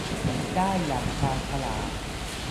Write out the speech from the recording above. ได้อย่างชาญฉลาด